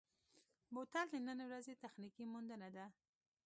بوتل د نن ورځې تخنیکي موندنه ده.